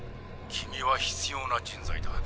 君は必要な人材だ。